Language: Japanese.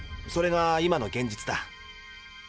それが今の現実だ。